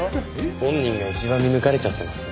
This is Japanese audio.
本人が一番見抜かれちゃってますね。